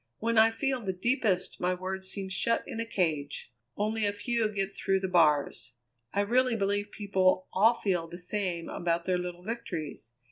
"When I feel the deepest my words seem shut in a cage; only a few get through the bars. I really believe people all feel the same about their little victories.